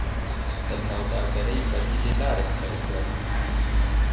د سوداګرۍ بدیلې لارې خپلې کړئ